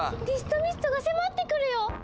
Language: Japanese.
ディストミストが迫ってくるよ！